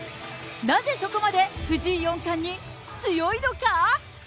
なぜ、そこまで藤井四冠に強いのか。